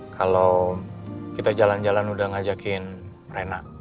kalau kita jalan jalan udah ngajakin rena